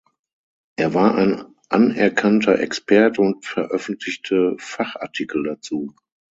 Er war ein anerkannter Experte und veröffentlichte Fachartikel dazu.